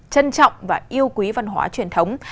trân trọng và yêu quý văn hóa truyền thống